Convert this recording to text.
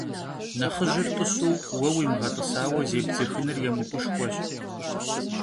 Nexhıjır t'ısu vue vuimığet'ısaue zêbdzıxınır yêmık'uşşxueş.